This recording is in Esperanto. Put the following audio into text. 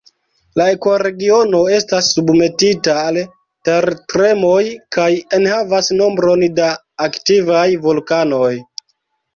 La ekoregiono estas submetita al tertremoj kaj enhavas nombron da aktivaj vulkanoj.